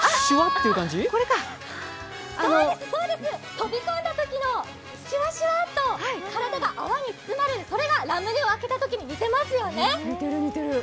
飛び込んだときの、シュワシュワと体が泡に包まれる、それがラムネを開けたときに似てますよね。